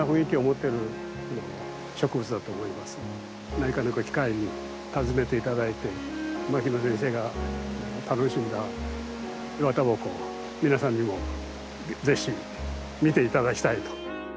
何かのご機会に訪ねていただいて牧野先生が楽しんだイワタバコを皆さんにもぜひ見ていただきたいと。